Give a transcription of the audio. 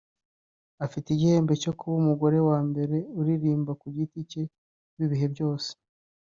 Afite igihembo cyo kuba umugore wa mbere uririmba ku giti cye w’ibihe byose